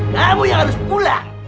kamu yang harus pulang